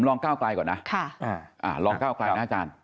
ลองเก้ากลายนะอาจารย์